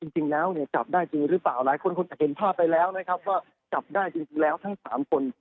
จริงแล้วเนี่ยจับได้จริงหรือเปล่าหลายคนคงจะเห็นภาพไปแล้วนะครับว่าจับได้จริงแล้วทั้ง๓คน